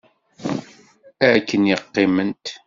Akken i qiment.